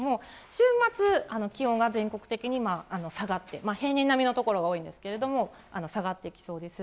週末、気温が全国的に下がって、平年並みの所が多いんですけれども、下がっていきそうです。